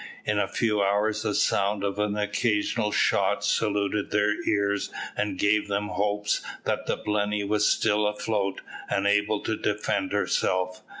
In a few hours the sound of an occasional shot saluted their ears and gave them hopes that the Blenny was still afloat and able to defend herself.